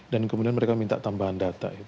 kemudian mereka minta tambahan data